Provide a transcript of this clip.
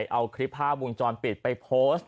เอาคลิปภาพวงจรปิดไปโพสต์